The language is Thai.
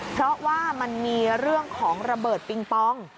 เพราะว่ามันมีเรื่องของระเบิดปิงปอง